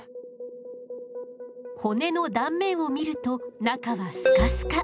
骨の断面を見ると中はスカスカ。